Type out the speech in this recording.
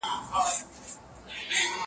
یوازي په تمه کېدلو سره هېڅوک بریا ته نه رسېږي.